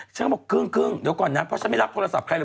ฉันก็บอกครึ่งเดี๋ยวก่อนนะเพราะฉันไม่รับโทรศัพท์ใครเลย